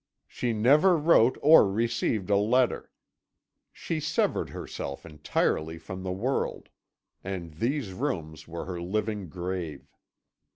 "She never wrote or received a letter. She severed herself entirely from the world, and these rooms were her living grave.